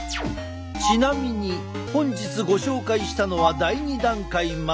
ちなみに本日ご紹介したのは第２段階まで。